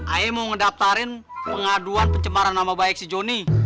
ayah mau ngedaftarin pengaduan pencembaran nama baik si jonny